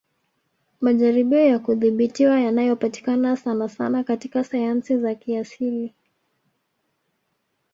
Majaribio ya kudhibitiwa yanayopatikana sanasana katika sayansi za kiasili